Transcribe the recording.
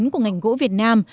của ngành gỗ việt nam